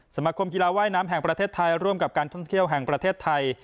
สมาคมกีฬาว่ายน้ำแห่งประเทศไทยร่วมกับการท่องเที่ยวแห่งประเทศไทย